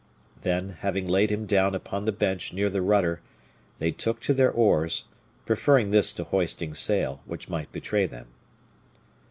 Then, having laid him down upon the bench near the rudder, they took to their oars, preferring this to hoisting sail, which might betray them.